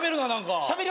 しゃべるよ。